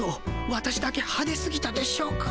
私だけはですぎたでしょうか。